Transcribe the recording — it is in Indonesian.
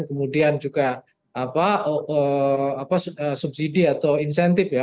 kemudian juga subsidi atau insentif ya